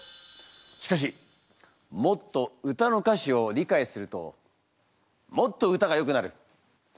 しかしもっと歌の歌詞を理解するともっと歌がよくなる。